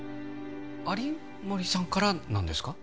有森さんからなんですか？